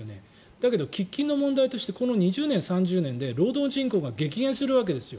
だけど喫緊の問題としてこの２０年、３０年で労働人口が激減するわけですよ。